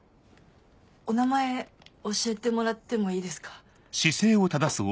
お名前教えてもらってもいいですか？